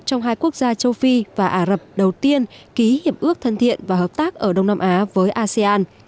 trong hai quốc gia châu phi và ả rập đầu tiên ký hiệp ước thân thiện và hợp tác ở đông nam á với asean